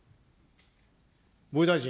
防衛大臣。